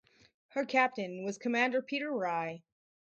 Her captain was Commander Peter Rye.